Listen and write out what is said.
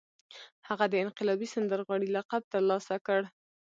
هغه د انقلابي سندرغاړي لقب ترلاسه کړ